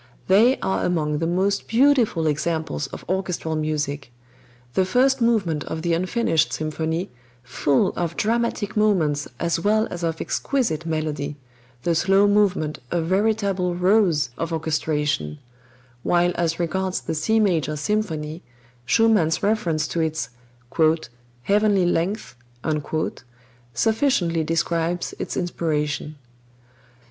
They are among the most beautiful examples of orchestral music the first movement of the "Unfinished Symphony" full of dramatic moments as well as of exquisite melody, the slow movement a veritable rose of orchestration; while as regards the C major symphony, Schumann's reference to its "heavenly length" sufficiently describes its inspiration.